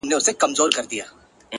ها د ښكلا شاپېرۍ هغه د سكون سهزادگۍ;